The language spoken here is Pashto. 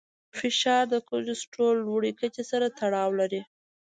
فشار د کورټیسول لوړې کچې سره تړاو لري.